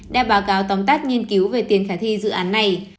đã báo cáo tóm tắt nghiên cứu về tiền khả thi dự án này